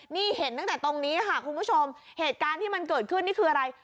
นี่เห็นตั้งแต่ตรงนี้ค่ะคุณผู้ชมเหตุการณ์ที่มันเกิดขึ้นนี่คืออะไร